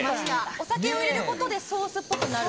お酒を入れることでソースっぽくなる？